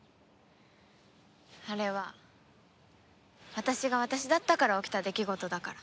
あれは私が私だったから起きた出来事だから。